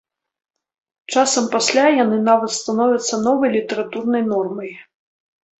Часам пасля яны нават становяцца новай літаратурнай нормай.